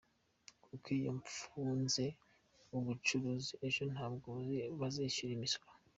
Kuko iyo mfunze ubucuruzi, ejo ntabwo bazishyura imisoro.